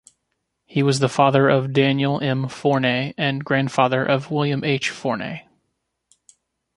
He was the father of Daniel M. Forney and grandfather of William H. Forney.